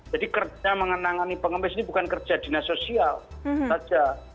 jadi kerja mengenangani pengemis ini bukan kerja dinas sosial saja